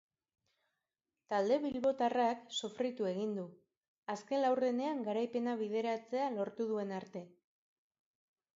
Talde bilbotarrak sufritu egin du, azken laurdenean garaipena bideratzea lortu duen arte.